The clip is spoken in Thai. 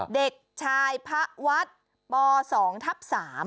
เด็กชายพระวัดป๒ทับ๓